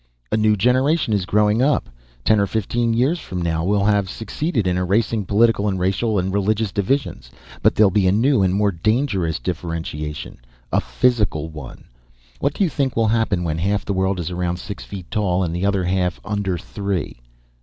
"A new generation is growing up. Ten or fifteen years from now we'll have succeeded in erasing political and racial and religious divisions. But there'll be a new and more dangerous differentiation; a physical one. What do you think will happen when half the world is around six feet tall and the other half under three?"